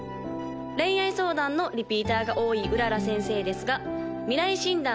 恋愛相談のリピーターが多い麗先生ですが未来診断